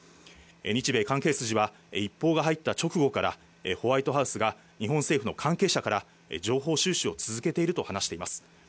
日米関係筋は、一報が入った直後から、ホワイトハウスが日本政府の関係者から、情報収集を続けていると話しています。